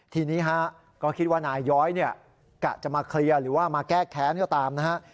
ทีนี้ฮะก็คิดว่านายย้อยเนี่ยกะจะมาเคลียร์หรือว่ามาแก้แค้นก็ตามนะฮะ